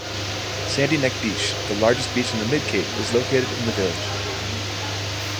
Sandy Neck Beach, the largest beach on the mid-cape, is located in the village.